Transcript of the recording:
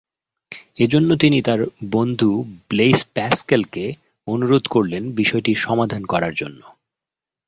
এজন্য তিনি তার বন্ধু ব্লেইস প্যাসকেল কে অনুরোধ করলেন বিষয়টির সমাধান করার জন্য।